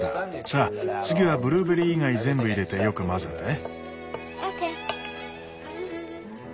さあ次はブルーベリー以外全部入れてよく混ぜて。